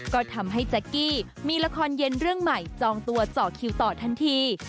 ก็ทำให้แจ๊กกี้มีละครเย็นเรื่องใหม่จองตัวเจาะคิวต่อทันที